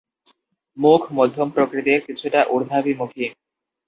মুখ মধ্যম প্রকৃতির, কিছুটা উর্ধাভিমুখী।